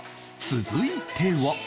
続いては